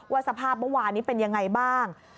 สภาพเมื่อวานนี้เป็นยังไงบ้าง